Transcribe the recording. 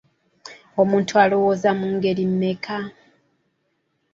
Omuntu alowooza mu ngeri mmeka?